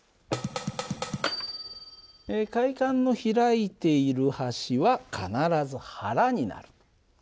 開管の開いている端は必ず腹になる。